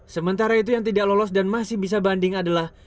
sementara itu yang tidak lolos dan masih bisa banding adalah